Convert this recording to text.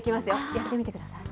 やってみてください。